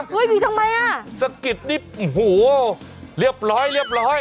ผีทำไมอ่ะสะกิดนี่โอ้โหเรียบร้อยเรียบร้อย